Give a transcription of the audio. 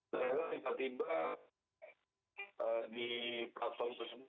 saya tiba tiba di platform tersebut